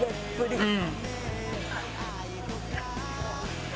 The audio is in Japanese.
うん。